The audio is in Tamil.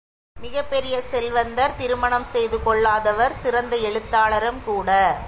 மிகப் பெரிய செல்வந்தர் திருமணம் செய்து கொள்ளாதவர் சிறந்த எழுத்தாளரும் கூட.